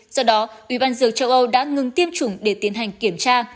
do đó ubnd châu âu đã ngừng tiêm chủng để tiến hành kiểm tra